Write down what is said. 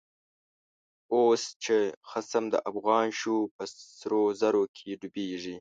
اوس چه خصم دافغان شو، په سرو زرو کی ډوبیږی